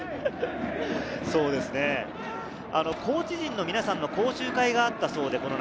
コーチ陣の皆さんの講習会があったそうで、この夏。